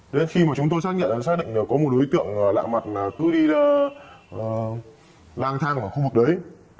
đến khi mà chúng tôi xác nhận là xác định là có một đối tượng lạ mặt là cứ đi là lang thang ở khu vực đấy